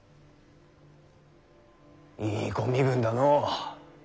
いいご身分だのう。